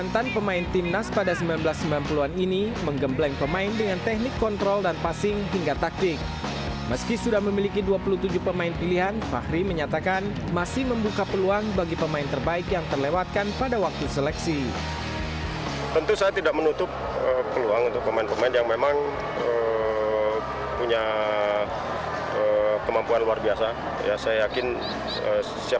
tapi prioritas saya adalah ke tim yang sudah ada ini